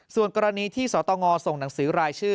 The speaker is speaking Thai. ส่วนกรณีที่สตงส่งหนังสือรายชื่อ